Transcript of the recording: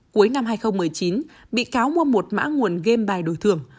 cuối năm hai nghìn một mươi chín bị cáo mua một mã nguồn game bài đổi thưởng